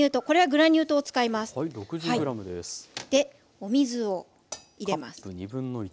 お水を入れます。